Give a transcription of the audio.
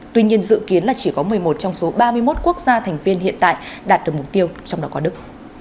tuy nhiên dự kiến là chỉ có một mươi một trong số ba mươi một quốc gia thành viên hiện tại đạt được mục tiêu trong đó có đức